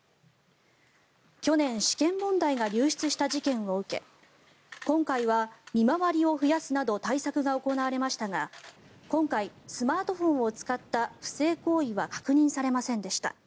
去年試験問題が流出した事件を受け今回は見回りを増やすなど対策が行われましたが今回、スマートフォンを使った不正行為は確認されませんでした。